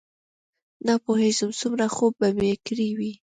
نه پوهېږم څومره خوب به مې کړی وي.